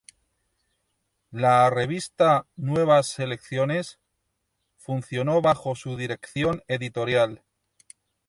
La revista Nuevas Selecciones funcionó bajo su dirección editorial.